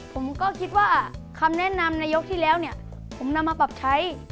ผมก็คิดว่าคำแนะนำในยกที่แล้วเนี่ยผมนำมาปรับใช้